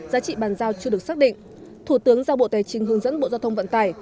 giá trị bàn giao chưa được xác định thủ tướng giao bộ tài trình hướng dẫn bộ giao thông vận tải